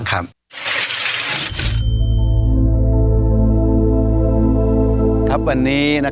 เป็นความเชื่อว่าหลวงพ่อพระนอนนั้นได้ให้กำลังใจในการที่จะสร้างสิ่งที่ดีงาม